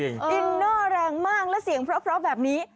อินเนอร์แรงมากและเสียงเพราะแบบนี้